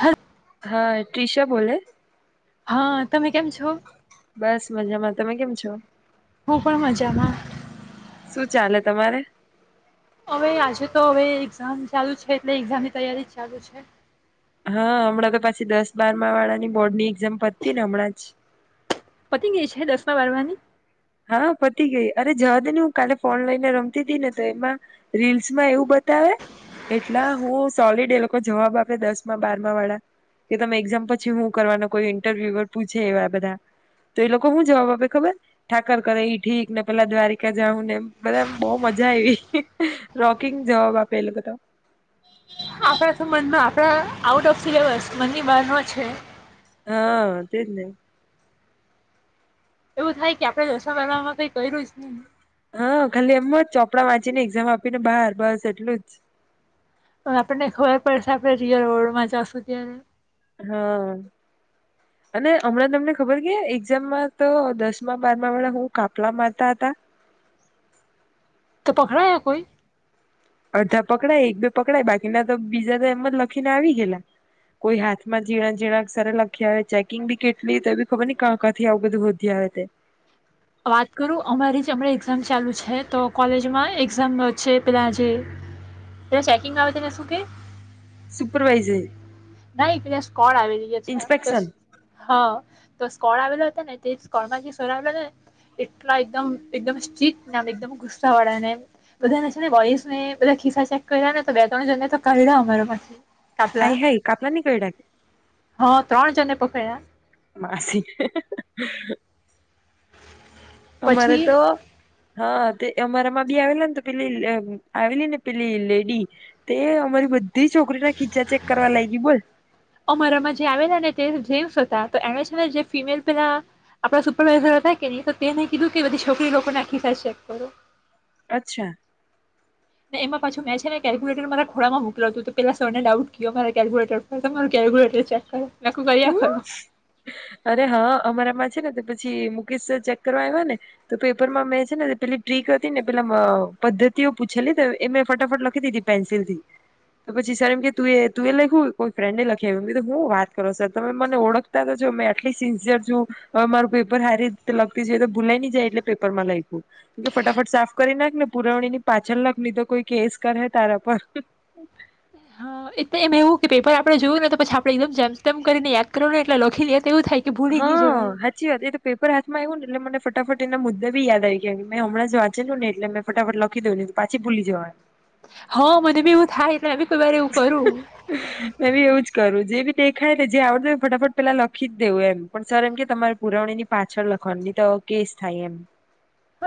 હર [unintelligible] હા તિશા બોલે? હા તમે કેમ છો? બસ મજામાં તમે કેમ છો? હું પણ મજામાં. શું ચાલે તમારે? હવે આજે તો હવે એક્ઝામ ચાલુ છે એટલે એક્ઝામની તૈયારી જ ચાલુ છે. હા હમણાં તો પાછી દસ બારમા વાળા ની બોર્ડ ની એક્ઝામ પતી ને હમણાં જ. પતી ગઈ છે દસમા બારમાની હા, પતી ગઈ અરે જવા દે ને હું કાલે ફોન લઈને રમતી તી ને તો એમાં રીલ્સ માં એવું બતાવે એટલા હું સોલીડ એ લોકો જવાબ આપે દસમાં, બારમા વાળા કે તમે એક્ઝામ પછી હું કરવાનો કોઈ ઇન્ટરવ્યુ પૂછે એવા બધા, તો એ લોકો હું જવાબ આપે ખબર ઠાકર કરે એ ઠીક, ને પેલા દ્વારિકા જઉં ને, એ બધા એમ બહ મજા આવી, રોકિંગ જવાબ આપેલ એ લોકો તો આપણા તો મનમાં આપણા આઉટ ઓફ સિલેબસ, મનની બારનો છે હા, તેજ ને એવું થાય કે આપણે દસમા-બારમા કઈ કર્યું જ નહી હા, ખાલી એમ જ ચોપડા વાંચીને એક્ઝામ આપીને બહાર, બસ એટલું જ હવે આપણને ખબર પડશે આપણે રિયલ રોડમાં જાશું ત્યારે હા, અને હમણાં તમને ખબર કે, એક્ઝામમાં તો દસમાં, બારમા વાળા હું કાપલા મારતા હતા તો, પકડાયા કોઈ અડધા પકડાય એક બે પકડાય બાકીના તો બીજા તો એમ જ લખીને આવી ગેલા, કોઈ હાથમાં ઝીણા, ઝીણા અક્ષર લખી આવે ચેકિંગ બી કેટલી તો એ બી ખબર ક કા કાથી આવું બધું હોધી આવે તે વાત કરું અમારી જ હમણા એક્ઝામ ચાલુ છે, તો કોલેજમાં એક્ઝામ છે, પેલા જે પેલા ચેકિંગ આવે તને શું કે સુપરવાઝી નાઈ કોણ આવેલી હ છે તો હા તો સ્કોળ આવેલો હતો ને તે સ્કોળમાં જે સર આવેલા હતા ને એટલા એકદમ, એકદમ સ્ટ્રીક એકદમ ગુસ્સા વાળા ને એમ બધા ને છે ને બોયઝ ને બધા ખિસ્સા ચેક કર્યા ને તો બે ત્રણ જણને તો કાઢ્યા અમારા માંથી કાપલા આઈ હાય કા હા, ત્રણ, જને પકડાયા માસી અમારે પછી તો હા, તે અમારા માં બી આવેલા ને તો પેલી આવેલી ને પેલી લેડી તે અમારી બધી તી છોકરી ના ખીચા ચેક કરવા લાગી બોલ અમારામાં જે આવેલા ને તે જેન્ટ્સ હતા તો એણે છેને જે ફિમેલ પેલા આપડા સુપરવાઈઝર હતા કે ની તો તેને કીધું કે બધી છોકરી લોકોને આખી ચેક કરું અચ્છા ને એમાં પાછું મે છે ને કેલ્ક્યુલેટર મારા ખોડામાં મોકલુ હતું તો પેલા સર ને ડાઉટ ગયો મારા કેલ્ક્યુટર પર તો મારુ કેલ્ક્યુલેટર ચેક કરો મેં કીધું કર્યા ખરું હ, અરે હા, અમારામાં ને તો પછી મુકેશ ચેક કરવા આવ્યા ને તો પેપરમાં મેં છે ને પેલી ટ્રીક હતી ને પેલા પદ્ધતિઓ પૂછેલી એ મેં ફટાફટ લખી દીધી પેન્સિલ થી તો પછી સર એમ કે તું એ લખ્યું કોઈ ફ્રેન્ડને લખીયુ મ હું વાત કરો સર તમે મને ઓળખતા તો છો મે આટલી સિન્સિયર છું હવે મારું પેપર હારીતે લગતી જઈ તો ભૂલાઈ ની જાય એટલે પેપર માં લખ્યું, ફટાફટ સાફ કરી નાખ ને પુરવણી ની પાછળ લખ ની તો કોઈ કેસ કરે તારા પર લે એમ એવું કે પેપર આપણે જોયું ને તો પછી આપણે એકદમ જેમતેમ કરીને યાદ કરું ને એટલે લખીને યા હા, હાચી વાત એ તો પેપર હાથમાં આવું ને એટ મને ફટાફટ એના મુદ્દા બી યાદ આઈ ગયા કે મે હણાંજ વાંચેલું ને એટલે મે ફાફટ લખી દઉ પાછી ભૂલી જવાય હ, મને બી એવું થાય હ, કોઈ વાર એવું કરું મેં બી એવું જ કરું જે બી દેખાય ને જે આવડત હો ફટાફટ પેલા લખી જ દેવું, એમ પણ સર એમ કે તમારી પુરાવણી ની પાછળ લખવાની તો કેસ થાય એમ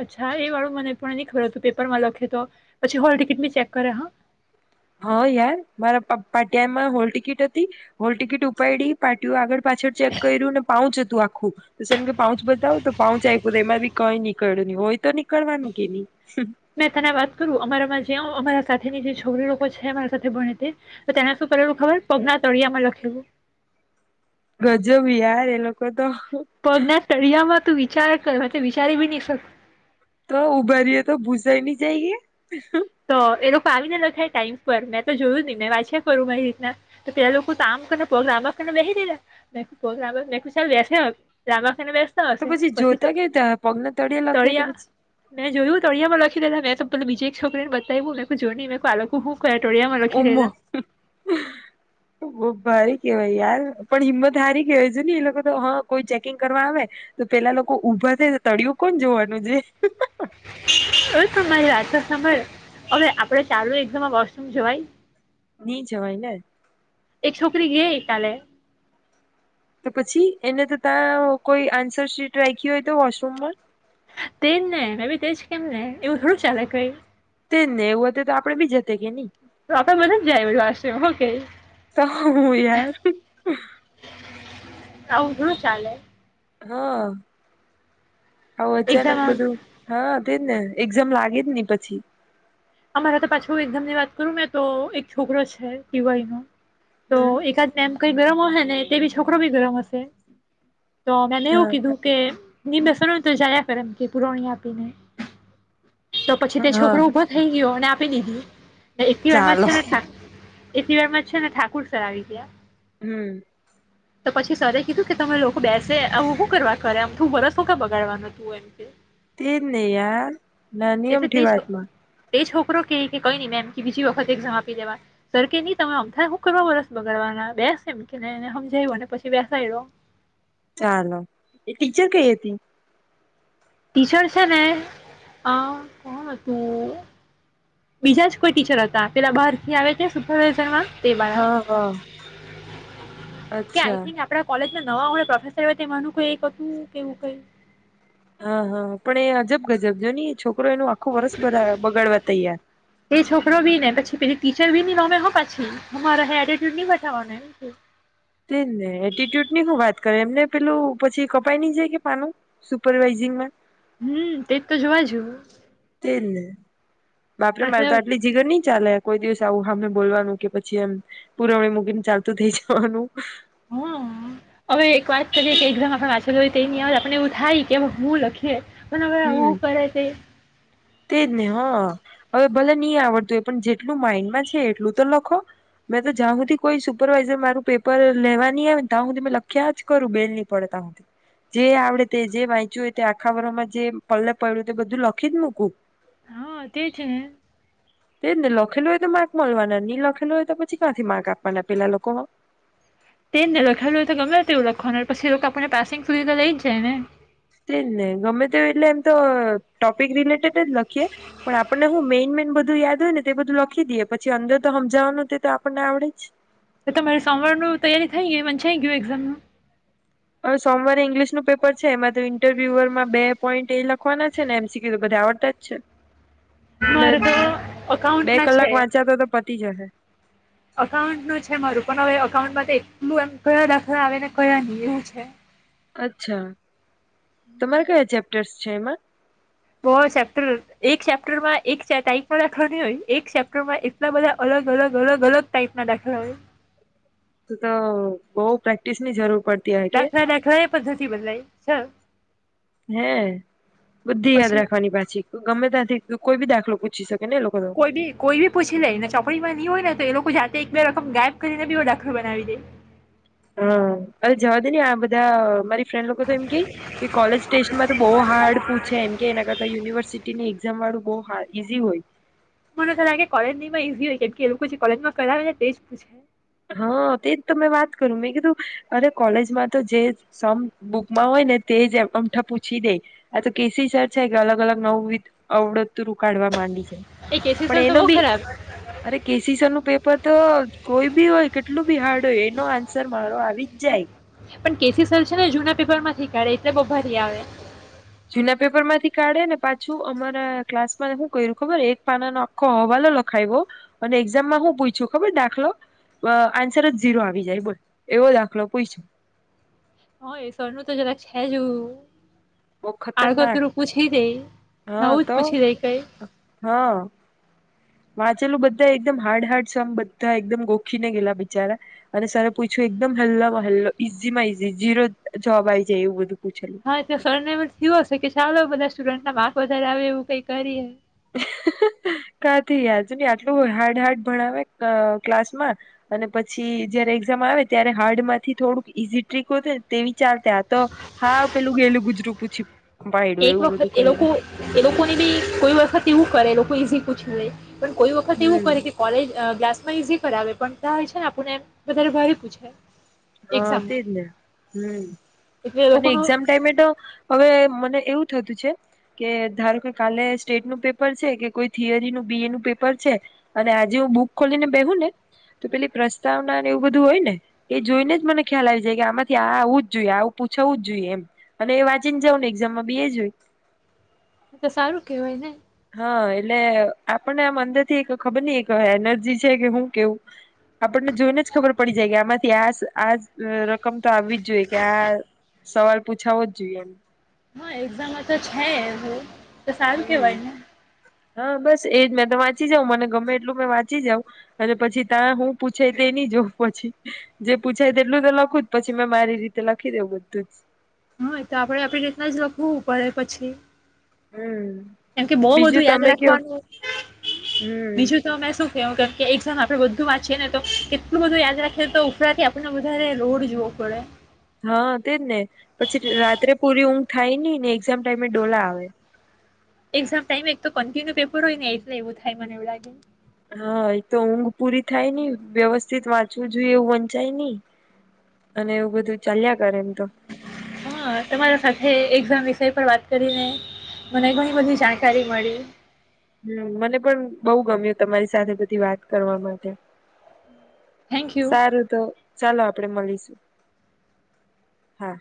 અચ્છા એ વાળું મને પણ ની ખબર હતું પેપર માં લખે તો પછી હોલ ટિકિટ બી ચેક કરે હ હા, યાર મારા પાટિયામાં હોલ ટિકિટ હતી, હોલ ટિકિટ ઉપાડી પાટીઓ આગળ પાછળ ચેક કર્યું ને પાઉંચ હતું આ સર કે પાઉચ બતાવું તો પાઉચ આપ્યું તો એમાં બી કઈ નીકળ્યું નહી હોય તો નીકળવાનું કે ની હ મેં તને વાત કરું અમારામાં જે અમારા સાથેની જે છોકરી લોકો છે અમારા સાથે ભણે તે તેને શું કરેલું ખબર પગના તળિયામાં લખેલું ગજબ યાર એ લોકો તો પગના તળિયામાં તું, વિચાર કર હ વિચારી બી નહી શક તો ઉભારીએે તો ભૂસાઈ નહી જાયએ તો એ લોકો આવી ને લખે ટાઈમ પર મેં તો જોયું ની મે વાંચ્યા કરું મારી રીતના તો પેલા લોકો આામ કરીને પગ લાંબા કરીને બેહી રેલા પગ [unintelligible] લાંબા કરીને બેસાય લાંબા બેસતા હશે પછી, જોતા કેવી રીતે પગના તળિયે લખ્યો તો તળિયા પછી મેં જોયું તળિયામાં લખી દેતા વિજય [unintelligible] છોકરીને બતાવ્યું મેં કે જો ની મે આ લોકો કયા ટોળિયામાં લખી રહેલા ઓમા બ ભારી કેવાય યાર પણ હિંમત હારી કેવાય જોની ને એ લોકો તો હા કોઈ ચેકિંગ કરવા આવે તો પેલા લોકો ઊભા થ તળિયુ કોણ જોવાનું છે એ તમારી વાત તો સાંભળ ચાલુ એક્ઝામ માં વોશરૂમ જવાય ની જવાય ને એક છોકરી ઘે કાલે તો પછી એને તો ત્યાં કોઈ આન્સરશીટ રાખી હોય તો વોશરૂમમાં તેજ ને મે બી તેજ કેમ ને એવું થોડું ચાલે કઈ તે ને એવું હત તો આપડ બી જ [unintelligible] શ હો કે [unintelligible] તો હું યાર આવું હુ ચાલે હા હા અચાનક એક્ઝામ બધું હા તેજને એકઝામ લાગે જ ને પછી અમારા તો પાછું એક્ઝામની વાત કરું મે તો એક છોકરો છે ટીવાય નો તો હમ એકાદ મેમ કઈ ગરમ હશે ને તે બી છોકરો બી ગરમ હશે તો મેને એવું હા કીધું કે ની બેસવા નો હોય જાયા કર એમ કે પુરોવણી આપીને તો પછી તે હા છોકરો ઉભો થઈ ગયોને આપી દીધી ના એટલી વારમાં ચાલો છે ને થા એટલી વારમાં છે ને ઠાકર સર આવી ગયા હમ તો પછી સરે કીધું કે તમે લોકો બેસે આવું હુ કરવા કરે અમથુ વરસ હુ કરવા બગાડવાનું તું એમ કે તેજ ને યાર નાની એટલે અમથી તે વાતમાં એ છોકરો કે કઈ ન મેમ કે બીજી વખત એક્ઝામ આપી દેવા, સર કે ની તમે અમથા હુ કરવા વરસ બગાડવાના બેસ એમ કે ને એને હમજાયું પછી બેસાડ્યો ચાલો એ ટીચર કઈ હતી હતી ટીચર છે ને અ કોણ હતું બીજા જ કોઈ ટીચર હતા પેલા બારથી આવે તે સુપરવિઝનમાં તે હા હા કે આ અચ્છા થીંક આપ કોલેજ જે નવા હો પ્રોફેસર હો તે માનું કોઈ એક હતું કેવું કઈ હા હા પણ એ અજબ ગજબ જો ની છોકરી છોકરા નું આખો વરષ બગાડવા તૈયાર. એ છોકરો બી ને પછી પે ટીચર બી ની નમે હા પાછી હો મારા હે એટીટ્યુડ ની બતાવવાનું એમ કે તેજને એટ્યુડ ની શું વાત કર એમને પેલું પછી કપાઈ નહી જાય કે પાનું સુપરવાઈઝિંગમાં? હમ તેજ તો જોવા જુ. તેજને બાપડે મારે એટલે તો આટલી જીગર નહી ચાલે. કોઈ દિવસ આવું હમે બોલવાનું કે પછી એમ પુરવણી મુકીન ચાલતું થઈ જવાનું. હમ હવે એક વાત કરીએ કે એક્ઝામ માં આપણે વાંચેલું તેની આવડે આપણને એવું થાય કે હવે હું લખીએ. ઘણા હમ આવું કરે તે તેજ ને હા હવે ભલે નહી આવડતું હોય પણ જેટલું માઈન્ડમાં છે એટલું તો લખો મેં તો જ્યાં સુધી કોઈ સુપરવાઈઝર મારું પેપર લેવા નહી આવે ને ત્યાં સુધી મેં લખ્યા જ કરું બેલ નહી પડે ત્યા સુધી જે આવડે તે જે વાંચ્યું તે આખા વરમાં જે પલ્લ પડ્યું તે બધું લખી જ મૂકું. હા તે જ ને તે જ ને લખેલું હોય તોજ માર્ક મળવાના નિ લખેલું હોય તો પછી ક્યાંથી માર્ક આપવાના પેલા લોકો. તે જ નને લખેલુંય તો ગમે તેવું લખવાનું પછી આપણને પાસિંગ સુધી તો લઈ જ જાય ને. તે નહ ગમે તે એટલે એમ તો ટોપિક રિલેટેડ લખીએ પણ આપ હું મેન મેન બધું યાદ હોય ને એ બધું લખી દેએ. પછી અંદર તો સમજાવવાનું તો આપણને એવડે જ. તો તમારી સોમવાર ન તૈયારી થઈ ગઈ મ થઈ ગયું એક્ઝામ નું? હવે સોમવારે ઈંગ્લિશનું પેપર છે એમાં તો ઇન્ટરવ્યુરમાં બે પોઈન્ટ એ લખવાના છે ને એમસીક્યુ તો બધા આવડતા જ છે. એટલે માર તો અકાઉન્ટ બે ના કલાક છે, વાંચ્યા તો પતી જશે અકાઉન્ટ નું છે મારું પણ હવે અઉન્ટમાં એટલું એમ કયા દાખલા આવેને કયા નિ એવું છે. અચ્છા. તમારે કયા ચેપ સ છે એમાં? બ ચેપ્ટર એક ચેપ્ટરમાં એક ટપ દાખલા ન હોય એક ચેપ્ટરમાં એટલા બધા અલગ અલગ અલગ અલગ ટાઈપ ના દાખલા હોય. તો બઉ પ્રેક્ટિસ ની જરૂર પડતી હોય કે દાખલા દાખલા એ પણ નથી બદલાય. સા હે બુદ્ધિ યાદ રાખવાની પાછી. ગમે ત્યાં તું કોઈ બી દાખલો પૂછી શકે. ને એ લોકો તો કોઈ બી કોઈ બી પૂછી લે ને ચોપડીમાં હોય ને તો એ લોકો જાતે એક બે રકમ ગાયબ કરીને બીવ દાખર બનાવી દે. હા અવે જવા દે ને આ બધા મારી ફ્રેન્ડ લોકો તો એમ કેય, કોલેજ ટેસ્ટમાં તો બહુ હાર્ડ પૂછે એમ કે એના કરતા યુનિવર્સિટીની જમવાડું બહ હ ઈઝી હોય. મને લાગે કોલેજ ની માં ઈઝી હોય કેમકે એ લોકો જે કોલેજમાં કરાવે તે જ પૂછે. હા તેજ તં વાત કરું મેં કીધું, અરે કોલેજમાં તો જે સમ બુકમાં હોય ને તે જ અમઠા પૂછી દે, આ તો કેસી સર છે કે અલગ અલગ નવું અવડતતું ર ઉકાડવા માંડી છે. એ કેસી પણ સર તો એનો બહુ બી ખરાબ અરે કે સી સર નું પેપર તો કોઈ હોય કેટલું હાર્ડ હોય એનો આન્સર મારો આવી જ જાય. પણ કેસી સર છે ને જૂના પેપર માંથી કાઢે એટલે બ ભારી આવે. જૂના પેપર માંથી કાઢે ને પાછું અમારા ક્લાસમાં શું કર્યું ખબર એક પાના નો આખો હવાલો લખાવ્યો, અને એક્ઝામમાં હું પૂછું ખબર દાખલો, આન્સર જ ઝીરો આવી જાય બોલ એવો દાખલો પૂછ્યો. હ એ સવનું તો જરાક છે જ આવું. બહુ આગ ખતરનાક તરું પૂછી દઈ, હા નવું જ તો પૂછી દઈ કઈ. હા વાંચેલું બધા એકદમ હાર્ડ હાર્ડ સમ બધા એકદમ ગોખીને ગેલા બિચારા, અને સર પૂછ્યું એકદમ હલ્લામાં હલ્ ઈઝી માં ઈઝી ઝીરો જવાબ આવી જાય એવું બધું. હા એ ફર એવ થયો હશે કે ચાલો બધા સ્ટુડન્ટ ના બાપ વધારે આવે એવું કઈ કરિએ. કાથી હજુ ન આટલું હાર્ડ હાર્ડ ભણાવે ક્લાસમાં, અને પછી જયારે એક્ઝામ આવે ત્યારે હાર્ડ માંથી થોડુંક ઈઝી ટ્રીક હોત ને તેવી ચાલ આ તો, હા પેલું ગયેલું ગુજરું પૂછ્યું. એક વખત એ લોકો એ લોકોને બી કોઈ વખત કેવું કરે એ લોકો ઇઝી પુછીલે પણ કોઈ વખત એવું કરે કે હમ કોલેજ ક્લા પેપર ઈઝી કરાવે પણ ત્યા જે ને આપુને વધારે ભારી પૂછે હા તેજ એક્ઝામમાં ને હમ્મ એટલે એ અને લોકોનું એક્ઝામ ટાઈમે તો હવે મને એવું થતું છે કે ધારો કે કાલે સ્ટેટ નું પેપર છે કે કોઈ થિયરી નું બી એ નું પેપર છે અને આજે હું બુક ખોલીને બેહું ને તો પેલી પ્રસ્તાવના એવું બધું હોય ને એ જોઈને જ મને ખ્યાલ આવી જાય કે આમાંથી આ આવું જ જોઈએ આવું પૂછવું જ જોઈએ એમ અને એ વાંચીને જાવ ને એક્ઝામમાં બેી એ જ હોય. તો સારું કેવાય ને હા એટલે આપણને આમ અંદર થી એક ખબર ની એક એનર્જી છે કે હું કેવું આપણને જોઈને જ ખબર પડી જાય આમાં ત્યાં આ રકમ તો આવવી જ જોઈએ કે આ સવા પૂછાવો જ જોઈએ હા એક્ઝામમાં તો છે હું તો સાર હમ કેવાય ને હા બસ એજ મેં તો વાંચી જાઉં મને ગમે એટલું મે વાંચી જાઉ અને પછી ત્યાં હું પૂછાય તે ન જોઉં પછી જે પૂછાય તે એટલું તો લખું જ પછી મેં મારી રીતે લખી દઉ બધું જ હ તો આપડે આપણી રીતના જ લખવું પડે પછી હું કેમકે બહ બધું યાદ રાખવાનું હમ બીજું તો મેમે શું કેવું કેમકે આપણે બધું વાંચીએ ને તો કેટલું બધું યાદખએ તો ઉપરાથી આપને વધારે રોડ જોવો પડે હા તેજ ને પછી રાત્રે પૂરી ઊંઘ થાય નહ ને સેમ ટાઈમે ડોલા આવે એક્ઝામ ટાઈમ એક તો કન્ટિન્યુ પેપર હોય ને એટલે એવું થાય મને એવું લાગે હા આતો હ પૂરી થાય ને વ્યવસ્થિત વાત ું જોઈ એવું વંચાય નહી અને એવું બધું ચાલ્યા કરે તો હા તમારા સાથે એામ ક પણ વાત કરીને મને ઘણી બધી જાણકારી મળી હમ મને પણ બહુ ગમ્યું તમારી સાથે બધી વાત કરવા માટે થેન્ક યુ સારું તો ચાલો આપ આપ મળીશું હા